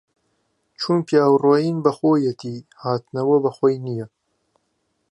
چون پیاو ڕويين به خويەتی هاتنهوه به خۆی نییه